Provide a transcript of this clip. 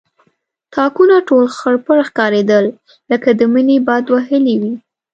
تاکونه ټول خړپړ ښکارېدل لکه د مني باد وهلي وي.